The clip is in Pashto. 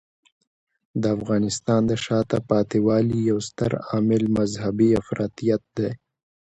د افغانستان د شاته پاتې والي یو ستر عامل مذهبی افراطیت دی.